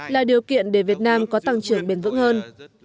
là điều kiện để việt nam có tăng trưởng bền vững hơn